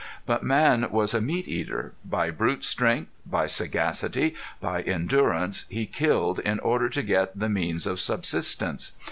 But man was a meat eater. By brute strength, by sagacity, by endurance he killed in order to get the means of subsistence.